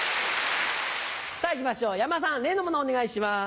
さぁいきましょう山田さん例のものお願いします。